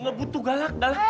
nggak butuh galak galak